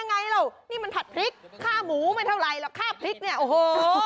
อ๋อเหรอนี่มันผัดพริกข้าวหมูไม่เท่าไรหรอกข้าวพริกเนี่ยโอ้โห